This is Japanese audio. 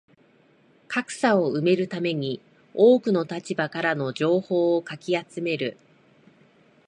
格差を埋めるために多くの立場からの情報をかき集める